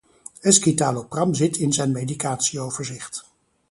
escitalopram zit in zijn medicatieoverzicht.